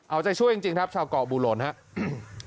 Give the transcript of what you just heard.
เอาใจช่วยจริงครับชาวเกาะบูหลนครับ